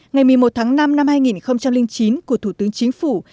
ngày một mươi một tháng năm năm hai nghìn chín của thủ tướng chính phủ